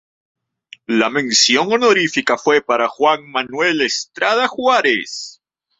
La mención honorífica fue para Juan Manuel Estrada Juárez.